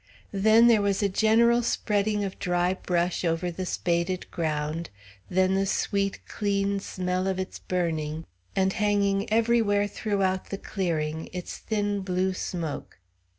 Then there was a general spreading of dry brush over the spaded ground, then the sweet, clean smell of its burning, and, hanging everywhere throughout the clearing, its thin blue smoke.